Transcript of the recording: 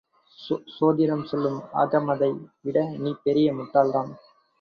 சோதிடம் சொல்லும் அகமதை விட நீ பெரிய முட்டாள்தான்!